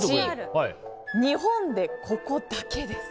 ヒント１。日本でここだけです。